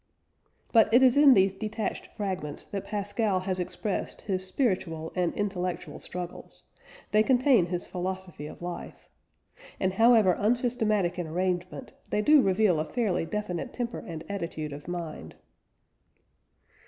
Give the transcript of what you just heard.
But it is in these detached fragments that Pascal has expressed his spiritual and intellectual struggles; they contain his philosophy of life. And, however unsystematic in arrangement, they do reveal a fairly definite temper and attitude of mind.